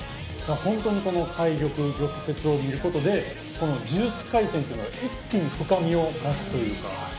ほんとにこの「懐玉・玉折」を見ることでこの「呪術廻戦」っていうのが一気に深みを増すというか。